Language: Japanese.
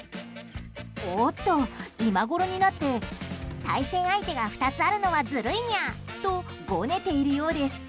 おっと、今ごろになって対戦相手が２つあるのはずるいニャとごねているようです。